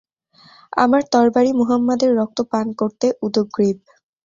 আমার তরবারি মুহাম্মাদের রক্ত পান করতে উদগ্রীব।